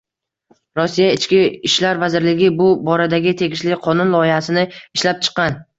Rossiya Ichki ishlar vazirligi bu boradagi tegishli qonun loyihasini ishlab chiqqan